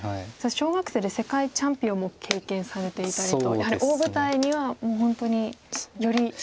小学生で世界チャンピオンも経験されていたりとやはり大舞台にはもう本当により力を。